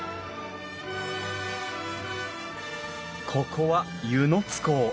ここは温泉津港。